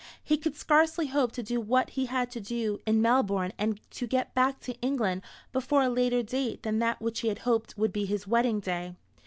He could scarcely hope to do what he had to do in Melbourne and to get back to England before a later date than that which he had hoped would be his wedding day.